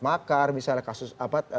makar misalnya kasus apa